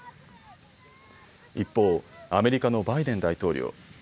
一方、アメリカのバイデン大統領。